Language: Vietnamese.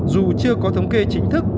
dù chưa có thống kê chính thức